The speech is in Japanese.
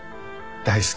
大好き。